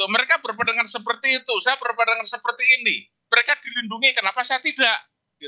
mereka berpendangan seperti itu saya berpandangan seperti ini mereka dilindungi kenapa saya tidak